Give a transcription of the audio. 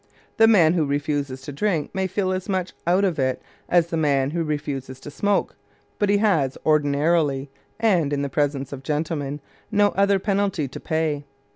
The man who refuses to drink may feel as much "out of it" as the man who refuses to smoke, but he has ordinarily, and in the presence of gentlemen, no other penalty to pay.